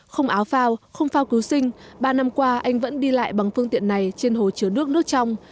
không áo phao không phao cứu sinh ba năm qua anh vẫn đi lại bằng phương tiện này trên hồ chứa nước nước trong